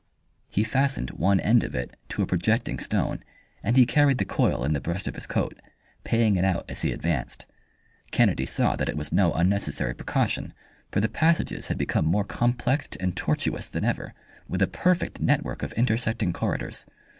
He fastened one end of it to a projecting stone and he carried the coil in the breast of his coat, paying it out as he advanced. Kennedy saw that it was no unnecessary precaution, for the passages had become more complexed and tortuous than ever, with a perfect network of intersecting corridors.